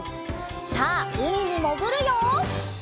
さあうみにもぐるよ！